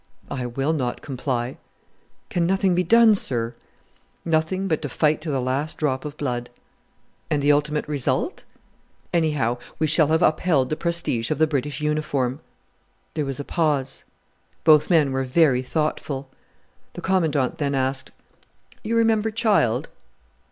"I will not comply." "Can nothing be done, sir?" "Nothing but to fight to the last drop of blood." "And the ultimate result?" "Anyhow, we shall have upheld the prestige of the British uniform." There was a pause. Both men were very thoughtful. The Commandant then asked, "You remember Child?"